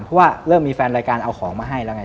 เพราะว่าเริ่มมีแฟนรายการเอาของมาให้แล้วไง